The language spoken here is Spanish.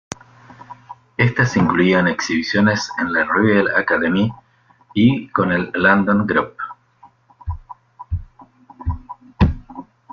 Estas incluían exhibiciones en la Royal Academy y con el London Group.